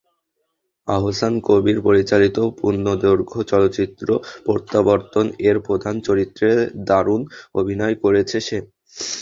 আহসান কবির পরিচালিত পূর্ণদৈর্ঘ্য চলচ্চিত্র প্রত্যাবর্তন-এর প্রধান চরিত্রে দারুণ অভিনয় করেছে সে।